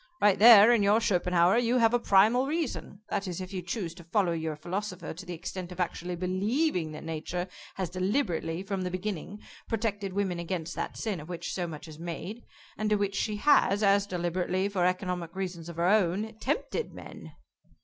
Right there, in your Schopenhauer, you have a primal reason, that is, if you chose to follow your philosopher to the extent of actually believing that Nature has deliberately, from the beginning, protected women against that sin of which so much is made, and to which she has, as deliberately, for economic reasons of her own, tempted men."